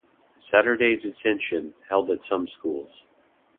"Saturday detention" held at some schools.